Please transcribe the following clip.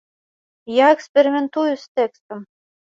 Я эксперыментую з тэкстам.